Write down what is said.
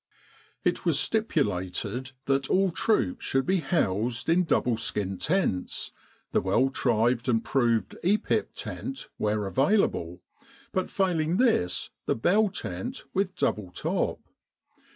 It was stipulated that all troops should be housed in double skin tents, the well tried and proved E.P.I.P. tent where available, but failing this, the bell tent with double top.